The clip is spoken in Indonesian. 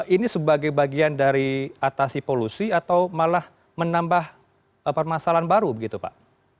ini sebagai bagian dari atasi polusi atau malah menambah permasalahan baru begitu pak